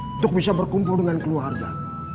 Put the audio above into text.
untuk bisa berkumpul dengan keluarga